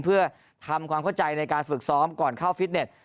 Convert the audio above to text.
เพื่อทำความเข้าใจในการฝึกซ้อมก่อนเข้าฟิตเน็ต